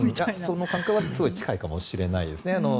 その感覚は近いかもしれないですね。